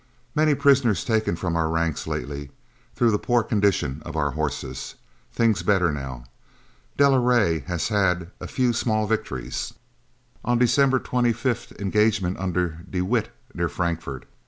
Many prisoners taken from our ranks lately, through the poor condition of our horses. Things better now. De la Rey has had a few small victories. On December 25th engagement under de Wet near Frankfort.